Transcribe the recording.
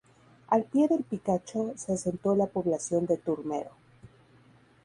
Al pie del picacho se asentó la población de Turmero.